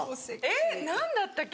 えぇ何だったっけ？